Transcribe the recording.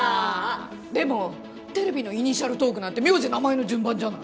でもテレビのイニシャルトークなんて名字・名前の順番じゃない。